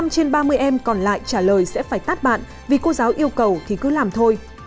một mươi trên ba mươi em còn lại trả lời sẽ phải tát bạn vì cô giáo yêu cầu thì cứ làm thôi